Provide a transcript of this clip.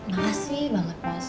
makasih banget mas